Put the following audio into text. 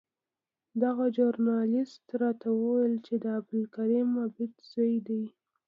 دغه ژورنالېست راته وویل چې د عبدالکریم عابد زوی دی.